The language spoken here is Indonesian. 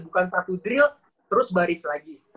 bukan satu drill terus baris lagi